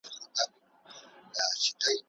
د اسلامي نهضت پلویان باید پر خپلي مطالعې کار وکړي.